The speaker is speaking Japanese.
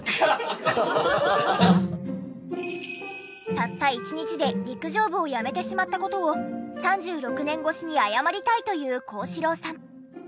たった１日で陸上部を辞めてしまった事を３６年越しに謝りたいという幸四郎さん。